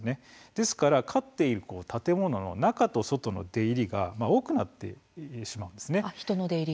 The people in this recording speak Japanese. ですから飼っている建物の中と外の出入りが多くなってしまうんです。